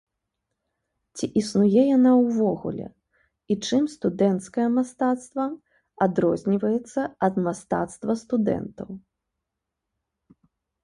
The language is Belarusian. Ці існуе яна ўвогуле, і чым студэнцкае мастацтва адрозніваецца ад мастацтва студэнтаў?